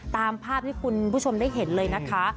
ตามภาพที่คุณผู้ชมได้เห็นเลยนะคะ